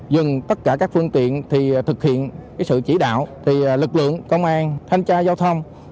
dùng tất cả các phương tiện thực hiện sự chỉ đạo lực lượng công an thanh tra giao thông